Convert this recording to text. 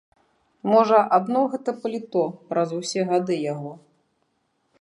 Можа, адно гэта паліто праз усе гады яго.